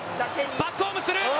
バックホームする。